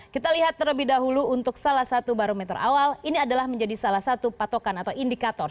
kita lihat terlebih dahulu untuk salah satu barometer awal ini adalah menjadi salah satu patokan atau indikator